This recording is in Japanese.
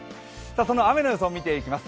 その雨の予想見ていきます。